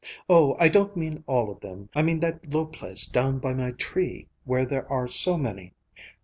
Oh, I don't mean all of them, I mean that low place down by my tree, where there are so many.